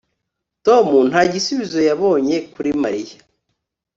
Tom nta gisubizo yabonye kuri Mariya